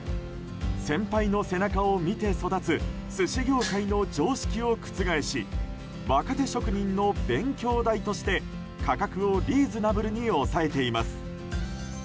先輩の背中を見て育つ寿司業界の常識を覆し若手職人の勉強代として価格をリーズナブルに抑えています。